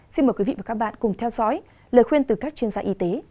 xin mời quý vị và các bạn cùng theo dõi lời khuyên từ các chuyên gia y tế